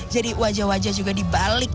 jadi wajah wajah juga dibalik